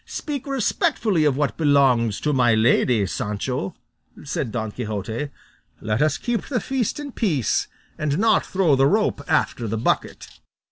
"Speak respectfully of what belongs to my lady, Sancho," said Don Quixote; "let us keep the feast in peace, and not throw the rope after the bucket."